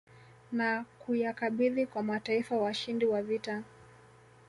Na kuyakabidhi kwa mataifa washindi wa vita